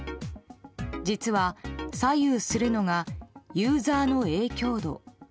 実は、左右するのがユーザーの影響度。